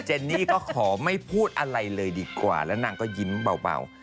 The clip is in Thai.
นี่ก็ขอไม่พูดอะไรเลยดีกว่าแล้วนางก็ยิ้มเบา